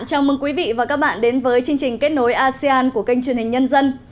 chào mừng quý vị và các bạn đến với chương trình kết nối asean của kênh truyền hình nhân dân